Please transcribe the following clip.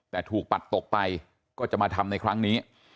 แต่ถูกปัดตกไปก็จะมาทำในครั้งนี้